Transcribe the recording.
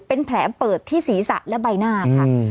เป็นแผลเปิดที่ศีรษะและใบหน้าค่ะ